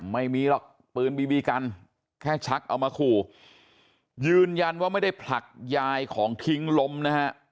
ไม่มีหรอกปืนบีบีกันแค่ชักเอามาขู่ยืนยันว่าไม่ได้ผลักยายของทิ้งล้มนะฮะ